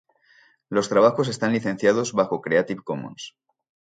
Los trabajos están licenciados bajo Creative Commons.